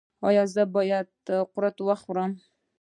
ایا زه باید قروت وخورم؟